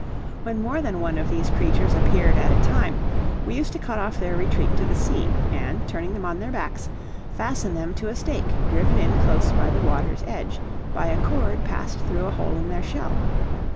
When more than one of these creatures appeared at a time, we used to cut off their retreat to the sea, and, turning them on their backs, fasten them to a stake driven in close by the water's edge, by a cord passed through a hole in their shell.